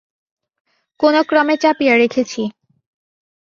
কোনোক্রমে চাপিয়ে রেখেছি।